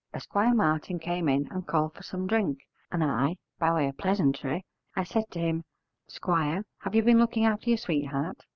Esquire Martin came in and called for some drink, and I, by way of pleasantry, I said to him, "Squire, have you been looking after your sweetheart?"